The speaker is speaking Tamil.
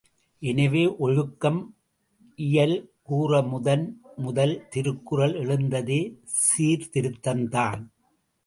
எனவே, ஒழுக்கம் இயல் கூற முதன் முதல் திருக்குறள் எழுந்ததே சீர்திருத்தம்தான்.